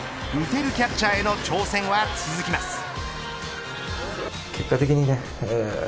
打てるキャッチャーへの挑戦は続きます。